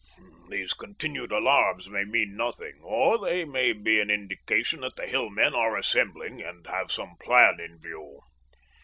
These continued alarms may mean nothing or they may be an indication that the Hillmen are assembling and have some plan in view.